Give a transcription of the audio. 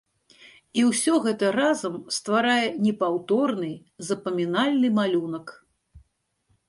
І ўсё гэта разам стварае непаўторны, запамінальны малюнак.